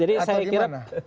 jadi saya kira